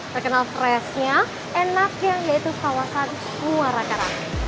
terkenal freshnya enaknya yaitu kawasan luar akar